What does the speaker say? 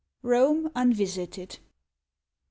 ROME UNVISITED I.